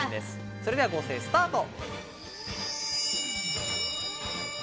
それでは合成スタート。